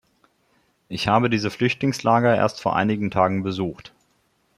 Ich habe diese Flüchtlingslager erst vor einigen Tagen besucht.